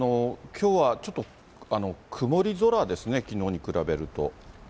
きょうはちょっと曇り空ですね、きのうに比べると。